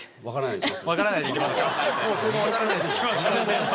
「分からない」。